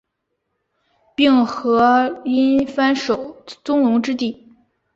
并河因幡守宗隆之弟。